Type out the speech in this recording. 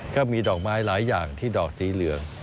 ก็มีดอกไม้หลายอย่างที่ดอกสีเหลือง